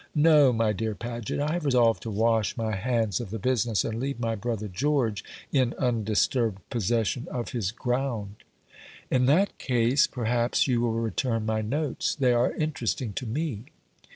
No, my dear Paget, I have resolved to wash my hands of the business, and leave my brother George in undisturbed possession of his ground." "In that case, perhaps, you will return my notes; they are interesting to me."